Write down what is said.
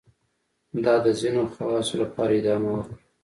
دا د ځینو خواصو لپاره ادامه وکړه.